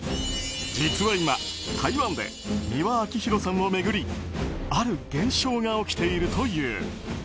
実は今、台湾で美輪明宏さんを巡りある現象が起きているという。